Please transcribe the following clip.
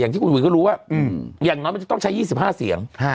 ที่คุณหุยก็รู้ว่าอย่างน้อยมันจะต้องใช้๒๕เสียง